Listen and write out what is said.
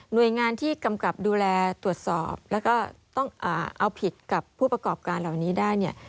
โดยงานที่กำกับดูแลตรวจสอบแล้วก็ต้องเอาผิดกับผู้ประกอบการเหล่านี้ได้เนี่ย